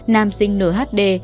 nam sinh nửa hát đê